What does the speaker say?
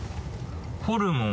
ホルモン。